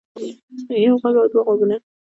يو غوږ او دوه غوږونه